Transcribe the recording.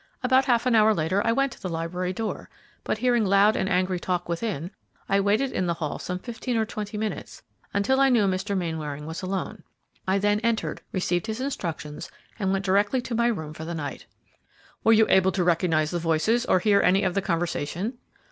About half an hour later I went to the library door, but hearing loud and angry talk within, I waited in the hall some fifteen or twenty minutes until I knew Mr. Mainwaring was alone. I then entered, received his instructions, and went directly to my room for the night." "Were you able to recognize the voices or hear any of the conversation?"